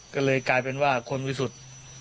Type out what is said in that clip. ก็เลยกลายเป็นว่าคนบริสุทธิ์